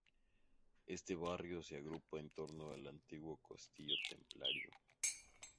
Éste barrio se agrupa en torno al antiguo Castillo templario.